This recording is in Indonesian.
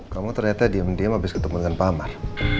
kamu ternyata diam diam abis ketemu dengan pak amar